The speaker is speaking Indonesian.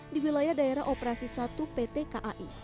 di wilayah daerah operasi satu pt kai